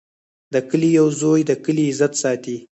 د کلي یو زوی د کلي عزت ساتي.